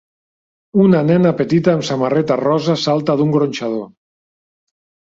Una nena petita amb samarreta rosa salta d'un gronxador.